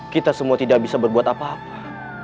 kita semua tidak bisa berbuat apa apa